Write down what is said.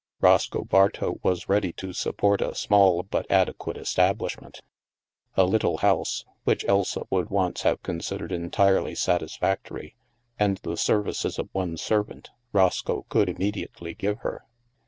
Roscoe Bartow was ready to support a small but adequate establishment. A little house (which Elsa would once have considered entirely satisfactory) and the services of one servant, Roscoe could immediately give her.